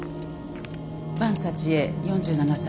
伴佐知恵４７歳。